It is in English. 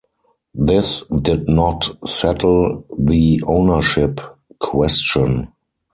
This did not settle the ownership question.